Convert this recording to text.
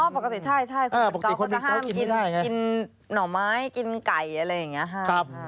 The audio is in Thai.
อ๋อปกติใช่ใช่คุณเป็นเกาะก็จะห้ามกินหน่อไม้กินไก่อะไรอย่างเงี้ยห้าม